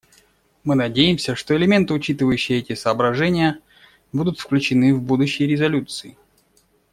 Мы надеемся, что элементы, учитывающие эти соображения, будут включены в будущие резолюции.